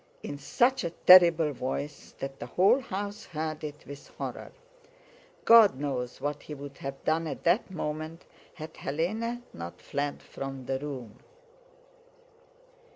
in such a terrible voice that the whole house heard it with horror. God knows what he would have done at that moment had Hélène not fled from the room.